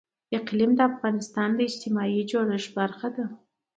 اقلیم د افغانستان د اجتماعي جوړښت برخه ده.